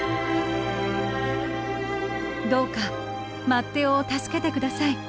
「どうかマッテオを助けて下さい。